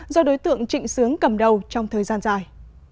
do đối tượng trịnh sướng cầm đầu trong thời gian dài